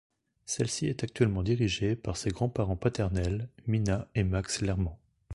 Celle-ci est actuellement dirigée par ses grands-parents paternels, Mina et Max Lerman.